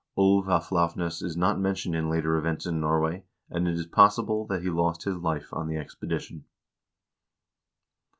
Ulv af Lauvnes is not mentioned in later events in Norway, and it is possible that he lost his life on the expedition.